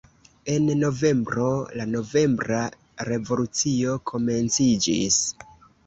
En novembro, la novembra revolucio komenciĝis.